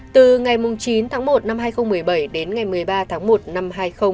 từ ngày chín tháng một năm hai nghìn một mươi bảy đến ngày một mươi ba tháng một năm hai nghìn hai mươi